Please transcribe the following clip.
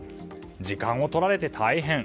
時間をとられて大変。